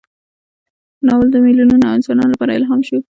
ناول د میلیونونو انسانانو لپاره الهام شو.